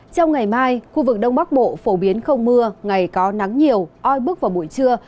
trong ngày mai khu vực đông bắc bộ phổ biến không mưa ngày có nắng nhiều oi bức vào buổi trưa